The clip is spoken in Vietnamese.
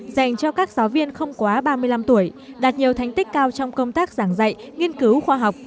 dành cho các giáo viên không quá ba mươi năm tuổi đạt nhiều thành tích cao trong công tác giảng dạy nghiên cứu khoa học